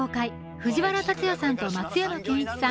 藤原竜也さんと松山ケンイチさん